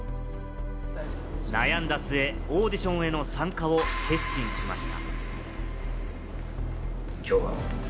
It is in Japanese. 悩んだ末、オーディションへの参加を決心しました。